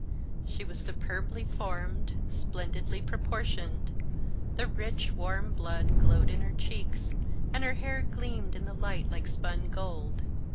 She was superbly formed, splendidly proportioned; the rich, warm blood glowed in her cheeks, and her hair gleamed in the light like spun gold.